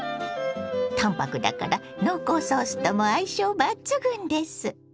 淡泊だから濃厚ソースとも相性抜群です！